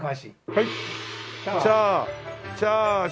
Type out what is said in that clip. はい。